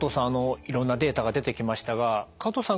いろんなデータが出てきましたが加藤さん